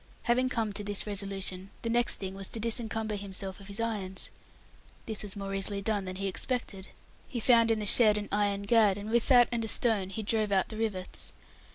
Having come to this resolution, the next thing was to disencumber himself of his irons. This was more easily done than he expected. He found in the shed an iron gad, and with that and a stone he drove out the rivets.